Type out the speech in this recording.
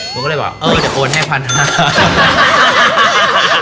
หนูก็เลยบอกเออเดี๋ยวโอนให้พันธุ์